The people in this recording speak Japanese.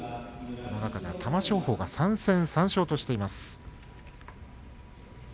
この中では玉正鳳が３戦３勝としています。